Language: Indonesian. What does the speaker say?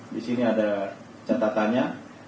di sini ada catatannya